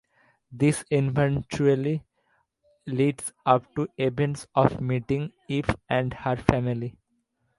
This eventually leads up to events of meeting Eep and her family.